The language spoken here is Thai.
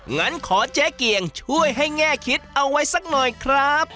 งั้นขอเจ๊เกียงช่วยให้แง่คิดเอาไว้สักหน่อยครับ